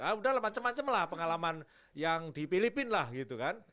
ah udah lah macem macem lah pengalaman yang di filipina lah gitu kan